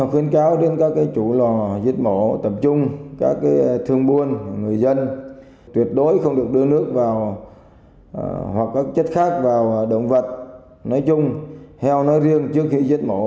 hoặc các chất khác vào động vật nói chung heo nói riêng trước khi giết mổ